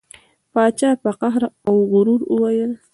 پاچا په قهر او غرور وویل.